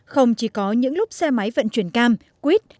không chỉ có những lúc xe máy vận chuyển cam quýt